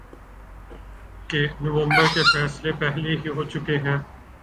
کہ نومبر کے فیصلے پہلے ہی ہو چکے ہیں۔